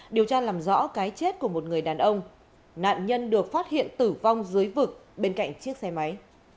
điều tra làm rõ cái chết của một người đàn ông nạn nhân được phát hiện tử vong dưới vực bên cạnh chiếc xe máy